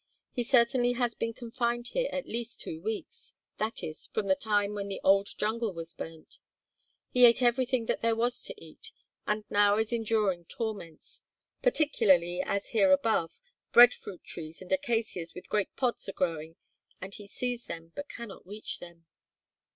He certainly has been confined here at least two weeks, that is, from the time when the old jungle was burnt. He ate everything that there was to eat and now is enduring torments; particularly as, here above, bread fruit trees and acacias with great pods are growing, and he sees them but cannot reach them."